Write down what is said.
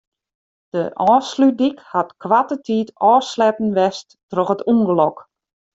De Ofslútdyk hat koarte tiid ôfsletten west troch it ûngelok.